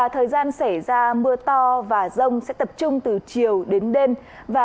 thời gian xảy ra mưa to và rông sẽ tập trung từ chiều đến đêm và